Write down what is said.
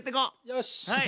よし！